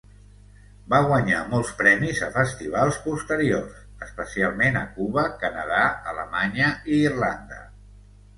Va guanyar molts premis a festivals posteriors, especialment a Cuba, Canadà, Alemanya i Irlanda.